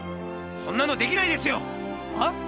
そんなのできないですよ！はあ？